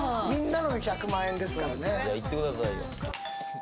みんなの１００万円ですからねいってくださいよ